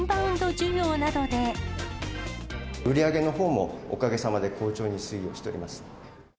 売り上げのほうも、おかげさまで好調に推移をしております。